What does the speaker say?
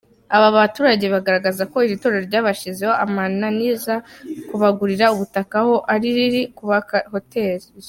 Aba baturage bagaragaza ko iri torero ryabashyizeho amananiza kubagurira ubutaka aho riri kubaka hoteli.